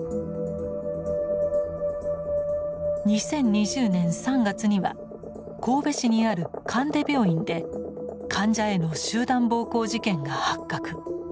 ２０２０年３月には神戸市にある神出病院で患者への集団暴行事件が発覚。